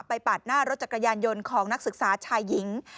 ปาดหน้ารถจักรยานยนต์ของนักศึกษาชายหญิง